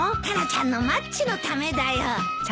タラちゃんのマッチのためだよ。